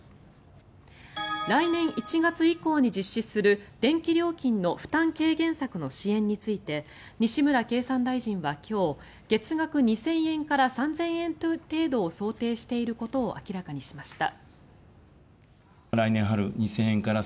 来年１月以降に実施する電気料金の負担軽減策の支援について西村経産大臣は今日月額２０００円から３０００円程度を想定していることを明らかにしました。